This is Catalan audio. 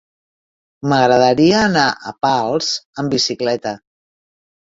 M'agradaria anar a Pals amb bicicleta.